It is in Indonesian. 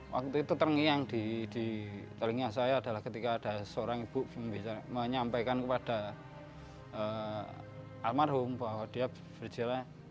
waktu itu terngiang di telinga saya adalah ketika ada seorang ibu menyampaikan kepada almarhum bahwa dia berjalan